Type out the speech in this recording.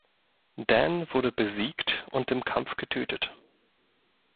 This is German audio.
Dan wurde besiegt und im Kampf getötet.